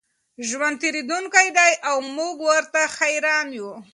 ژوند تېرېدونکی دی او موږ ورته حېران یو.